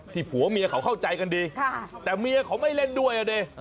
ผัวเมียเขาเข้าใจกันดีแต่เมียเขาไม่เล่นด้วยอ่ะดิ